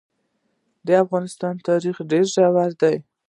د افغانستان تاریخ ډېر ژور دی.